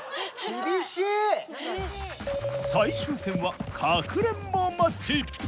最終戦はかくれんぼマッチ。